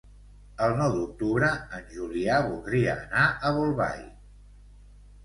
El nou d'octubre en Julià voldria anar a Bolbait.